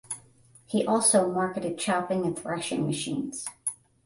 He also marketed chopping and threshing machines.